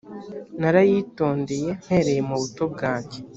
narayitondeye mpereye mu buto bwanjye